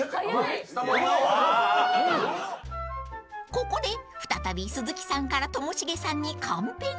［ここで再び鈴木さんからともしげさんにカンペが］